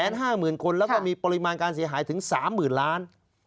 แสนห้าหมื่นคนแล้วก็มีปริมาณการเสียหายถึง๓๐๐๐๐๐๐๐ล้าน